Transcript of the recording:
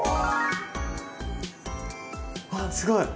あっすごい！